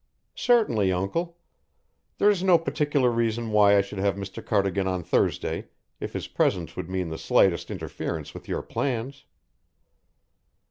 "Certainly, Uncle. There is no particular reason why I should have Mr. Cardigan on Thursday if his presence would mean the slightest interference with your plans.